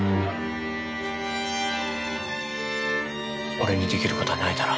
俺にできることはないだろう